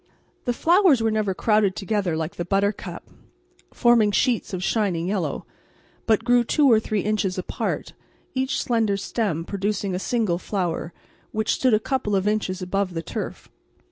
The flowers were never crowded together like the buttercup, forming sheets of shining yellow, but grew two or three inches apart, each slender stem producing a single flower, which stood a couple of inches above the turf.